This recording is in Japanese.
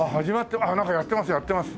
なんかやってますやってます。